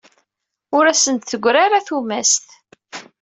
Ur asen-d-teggri ara tumast.